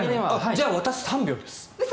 じゃあ、私３秒です。